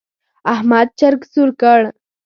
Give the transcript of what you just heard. احمد چرګ سور کړ.